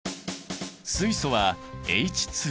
水素はＨ。